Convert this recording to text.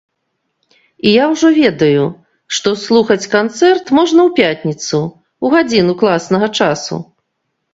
І я ўжо ведаю, што слухаць канцэрт можна ў пятніцу, у гадзіну класнага часу.